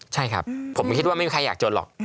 ใช่ครับผมคิดว่าไม่มีใครอยากจนหรอก